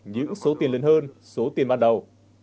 những số tiền lên hơn số tiền bắt đầu